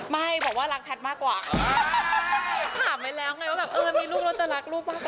มันก็ไม่ได้เปลี่ยนแบบหาลูกใช่ไหม